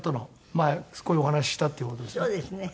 前こういうお話したっていう事ですね。